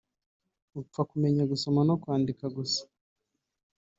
apfa kumenya gusoma no kwandika gusa